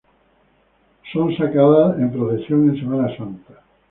Son sacadas en Procesión en Semana Santa.